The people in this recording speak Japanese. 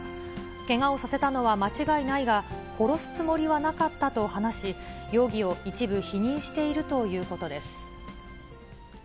けがをさせたのは間違いないが、殺すつもりはなかったと話し、容疑を一部否認しているということです。